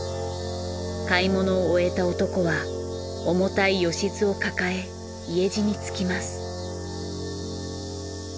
買い物を終えた男は重たいよしずを抱え家路につきます。